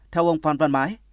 theo ông phan văn mãi